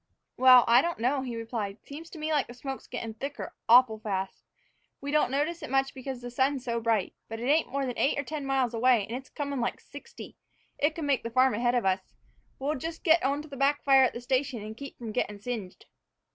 "Well, I don't know," he replied. "Seems to me like the smoke's gettin' thicker awful fast. We don't notice it much because the sun's so bright. But it ain't more 'n eight or ten miles away, and comin' like sixty. It could make the farm ahead of us. We'll just get on to the back fire at the station and keep from gettin' singed."